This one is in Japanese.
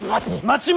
待て。